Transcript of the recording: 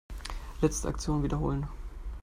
Letzte Aktion wiederholen.